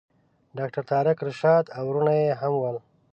ډاکټر طارق رشاد او وروڼه یې هم ول.